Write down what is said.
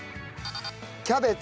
キャベツ。